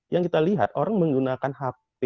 yang kita lihat orang menggunakan hp saja atau smartphone